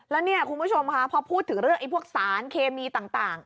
แล้วเนี่ยคุณผู้ชมค่ะพอพูดถึงเรื่องพวกสารเคมีต่าง